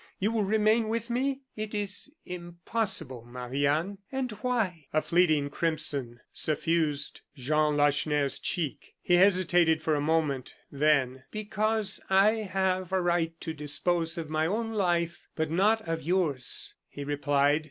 You will remain with me?" "It is impossible, Marie Anne." "And why?" A fleeting crimson suffused Jean Lacheneur's cheek; he hesitated for a moment, then: "Because I have a right to dispose of my own life, but not of yours," he replied.